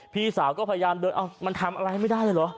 พี่สาวก็พยายามเดินมันทำอะไรไม่ได้เลยเหรอ